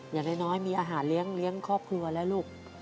อย่างน้อยมีอาหารเลี้ยงครอบครัวแล้วลูก